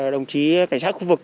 đồng chí cảnh sát khu vực